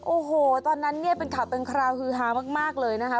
โอ้โหตอนนั้นเนี่ยเป็นข่าวเป็นคราวฮือฮามากเลยนะคะ